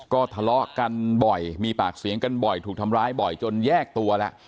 ก็ทะเลาะกันบ่อยมีปากเสียงกันบ่อยถูกทำร้ายบ่อยจนแยกตัวแล้ว